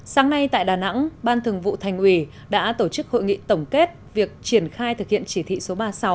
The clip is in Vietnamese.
sáng nay tại đà nẵng ban thường vụ thành ủy đã tổ chức hội nghị tổng kết việc triển khai thực hiện chỉ thị số ba mươi sáu